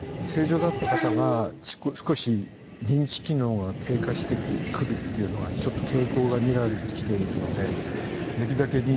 正常だった方が少し認知機能が低下してくるっていうのが傾向が見られてきているのでできるだけ。